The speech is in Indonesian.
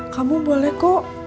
kamu boleh kok